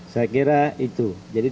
saya kira itu